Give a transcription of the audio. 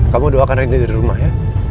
kamu doakan ini dari rumah ya